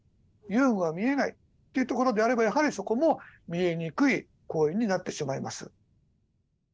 遊具が見えないというところであればやはりそこも見えにくい公園になってしまいます。